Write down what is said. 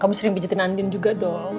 kamu sering bijitin andin juga dong